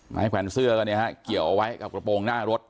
ให้แขวนเสื้อก็เนี่ยฮะเกี่ยวเอาไว้กับกระโปรงหน้ารถ